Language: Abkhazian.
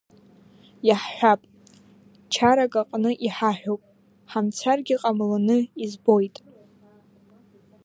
Иаҳҳәап, чарак аҟны иҳаҳәоуп, ҳамцаргьы ҟамлоны избоит.